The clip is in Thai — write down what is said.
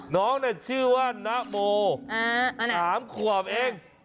น้องชื่อว่านโม๓ขวบเอง